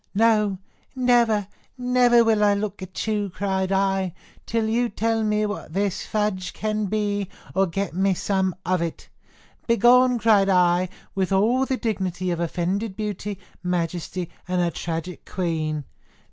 No, never, never will I look at you, cried I, till you tell me what this fudge can be, or get me some of it. Begone! cried I, with all the dignity of offended beauty, majesty, and a tragic queen.